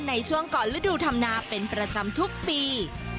ในช่วงก่อนฤดูธรรมนาเป็นประจำทุกปี